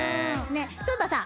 そういえばさ